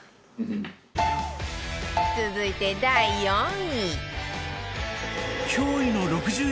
続いて第４位